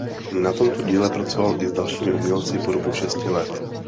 Na tomto díle pracoval i s dalšími umělci po dobu šesti let.